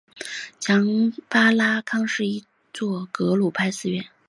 强巴拉康是一座格鲁派寺院。